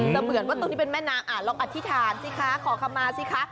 เหมือนว่าตรงนี้เป็นแม่น้ำลองอธิษฐานสิคะขอคำมาสิคะ